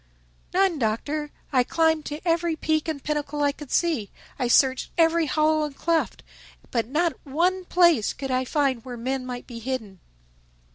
"None, Doctor. I climbed to every peak and pinnacle I could see. I searched every hollow and cleft. But not one place could I find where men might be hidden."